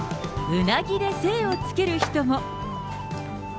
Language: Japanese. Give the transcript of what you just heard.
うなぎで精をつける人も。